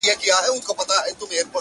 راته ژړا راسي _